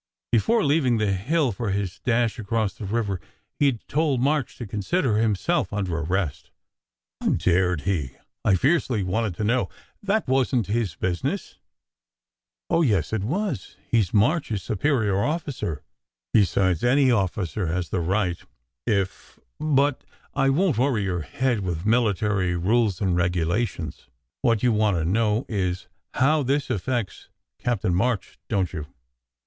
Before leaving the hill for his dash across the river he d told March to consider himself under arrest " "How dared he?" I fiercely wanted to know. "That wasn t his business." " Oh, yes it was ! He s March s superior officer. Besides any officer has the right, if but I won t worry your head 138 SECRET HISTORY with military rules and regulations! What you want to know is, how this affects Captain March, don t you?"